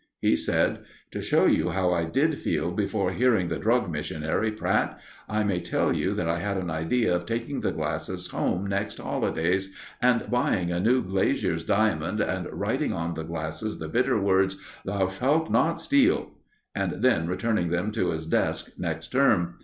He said: "To show you how I did feel before hearing the Drug Missionary, Pratt, I may tell you I had an idea of taking the glasses home next holidays, and buying a new glazier's diamond and writing on the glasses the bitter words, 'THOU SHALT NOT STEAL,' and then returning them to his desk next term.